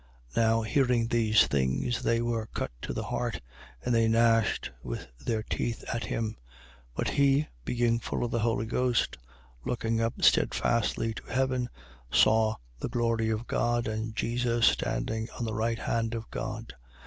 7:54. Now hearing these things, they were cut to the heart: and they gnashed with their teeth at him. 7:55. But he, being full of the Holy Ghost, looking up steadfastly to heaven, saw the glory of God and Jesus standing on the right hand of God.